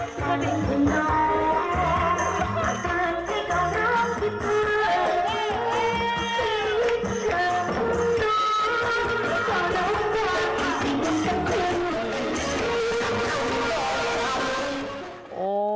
อ๋อสาวน้ำเหลือง่ายป้ะ